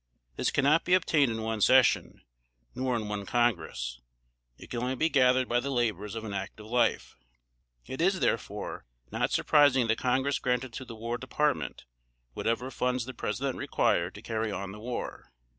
This cannot be obtained in one session, nor in one Congress; it can only be gathered by the labors of an active life. It is, therefore, not surprising that Congress granted to the War Department whatever funds the President required to carry on the war.